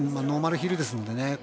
ノーマルヒルですのでね。